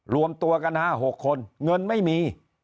รวมตัวกัน๕๖คนเงินไม่มี